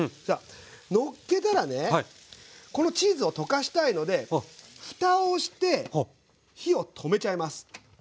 のっけたらねこのチーズを溶かしたいのでふたをして火を止めちゃいます。